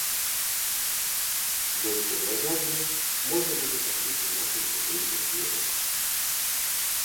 Больш падрабязна можна будзе пачуць у нашым жывым эфіры.